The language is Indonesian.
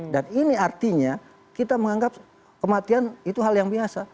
dan ini artinya kita menganggap kematian itu hal yang biasa